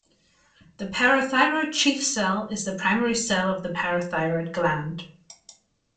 The parathyroid chief cell is the primary cell of the parathyroid gland.